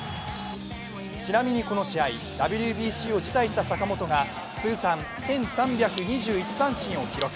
ちなみにこの試合、ＷＢＣを辞退した坂本が通算１３２１三振を記録。